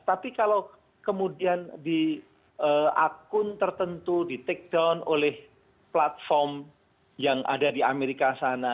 tapi kalau kemudian di akun tertentu di take down oleh platform yang ada di amerika sana